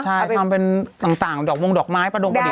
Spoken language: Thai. ใช่ทำเป็นต่างดอกมงดอกไม้ประดงกระเด